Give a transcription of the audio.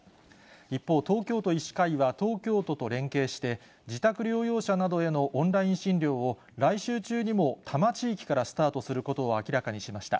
一方、東京都医師会は、東京都と連携して、自宅療養者などへのオンライン診療を、来週中にも多摩地域からスタートすることを明らかにしました。